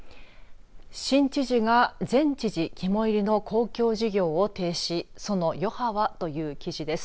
新知事が前知事肝いりの公共事業を停止その余波はという記事です。